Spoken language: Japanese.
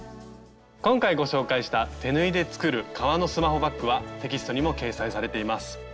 今回ご紹介した「手縫いで作る革のスマホバッグ」はテキストにも掲載されています。